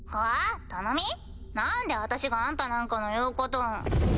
何で私があんたなんかの言うこと。